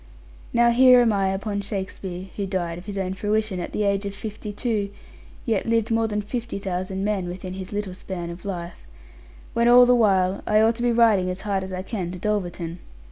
Now here am I upon Shakespeare (who died, of his own fruition, at the age of fifty two, yet lived more than fifty thousand men, within his little span of life), when all the while I ought to be riding as hard as I can to Dulverton.